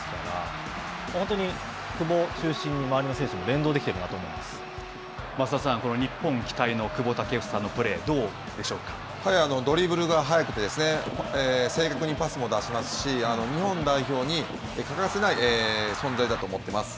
決めていますから、久保中心に周りの選手も連動できていると思い日本期待の久保建英のプレー、ドリブルが速くて、正確にパスも出しますし、日本代表に欠かせない存在だと思っています。